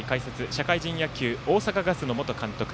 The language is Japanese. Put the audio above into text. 社会人野球大阪ガスの元監督